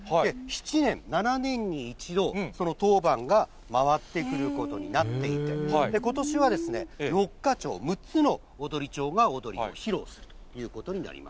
７年、７年に１度、その当番が回ってくることになっていて、ことしは６か町、６つの踊町が踊りを披露するということになりま